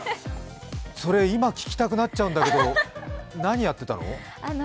それ、今聞きたくなっちゃうんだけど、何やってたの？